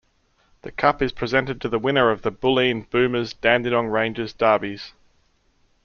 The cup is presented to the winner of the Bulleen Boomers-Dandenong Rangers derbies.